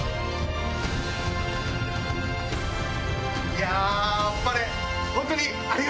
いやあっぱれ！